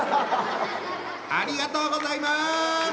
ありがとうございます！